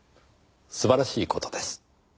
素晴らしい事です。